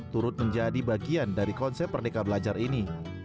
turut menjadi bagian dari konsep merdeka belajar ini